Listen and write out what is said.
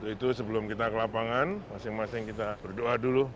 itu sebelum kita ke lapangan masing masing kita berdoa dulu